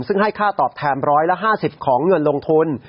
ซึ่งให้ค่าตอบแทน๑๕๐ของเงินลงทุน